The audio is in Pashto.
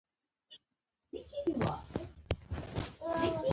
زه د شکر نعمت پېژنم.